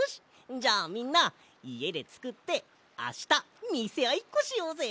じゃあみんないえでつくってあしたみせあいっこしようぜ！